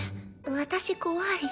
私怖い。